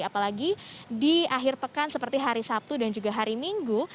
apalagi di akhir pekan seperti hari sabtu dan juga hari minggu